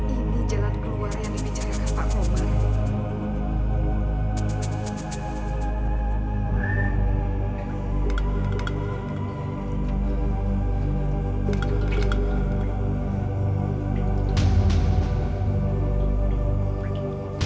ini jalan keluar yang dibicarakan pak komar